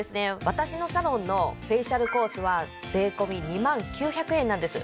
私のサロンのフェイシャルコースは税込２万９００円なんです